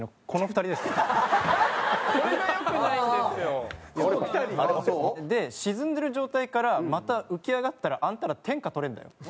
この２人？沈んでる状態からまた浮き上がったらあんたら天下とれるんだよ。